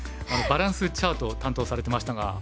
あのバランスチャート担当されてましたが。